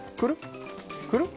くるっ。